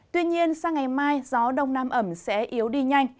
tuy nhiên sang ngày mai gió đông nam ẩm sẽ yếu đi nhanh